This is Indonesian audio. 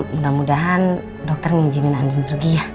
mudah mudahan dokter nih izinin andin pergi ya